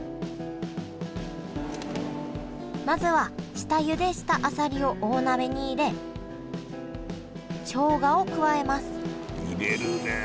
まずは下ゆでしたあさりを大鍋に入れしょうがを加えます入れるねえ。